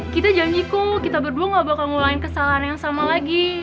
kita janjiku kita berdua gak bakal ngulangin kesalahan yang sama lagi